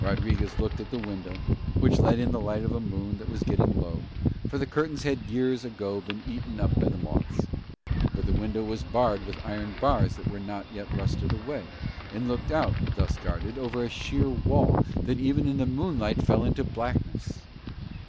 Rodriguez looked at the window, which let in the light of a moon that was getting low, for the curtains had years ago been eaten up by the moths; but the window was barred with iron bars that were not yet rusted away, and looked out, thus guarded, over a sheer wall that even in the moonlight fell into blackness.